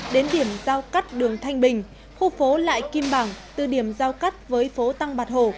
đến điểm giao cắt đường thanh bình khu phố lại kim bằng từ điểm giao cắt với phố tăng bạc hổ